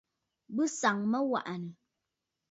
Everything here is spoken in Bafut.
Bɨ sàŋ mə aŋwàʼànə̀.